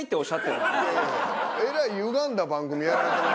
えらいゆがんだ番組やられてますね。